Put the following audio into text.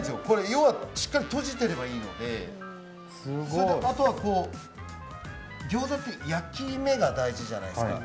要は閉じてればいいんであとはギョーザって焼き目が大事じゃないですか。